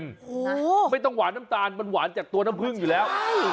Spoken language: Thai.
โอ้โหไม่ต้องหวานน้ำตาลมันหวานจากตัวน้ำผึ้งอยู่แล้ว